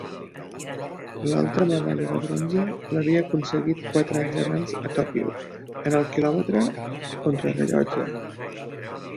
L'altra medalla de bronze l'havia aconseguit quatre anys abans a Tòquio en el quilòmetre contrarellotge.